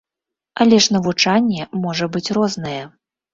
Але ж навучанне можа быць рознае.